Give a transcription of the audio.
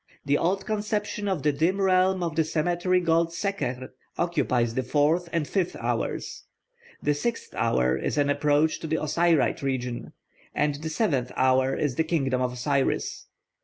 The old conception of the dim realm of the cemetery god Seker occupies the fourth and fifth hours; the sixth hour is an approach to the Osiride region, and the seventh hour is the kingdom of Osiris.